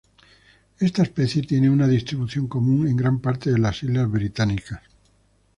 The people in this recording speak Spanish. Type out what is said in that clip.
Esta especie tiene una distribución común en gran parte de las islas británicas.